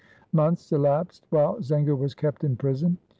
Months elapsed while Zenger was kept in prison.